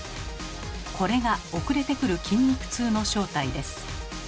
これが遅れてくる筋肉痛の正体です。